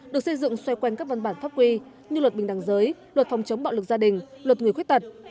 được xây dựng xoay quanh các văn bản pháp quy như luật bình đẳng giới luật phòng chống bạo lực gia đình luật người khuyết tật